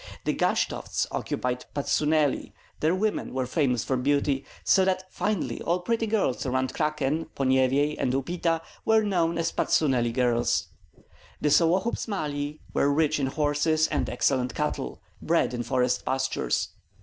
The Gashtovts occupied Patsuneli; their women were famous for beauty, so that finally all pretty girls around Krakin, Ponyevyej, and Upita were known as Patsuneli girls. The Sollohubs Mali were rich in horses and excellent cattle, bred in forest pastures.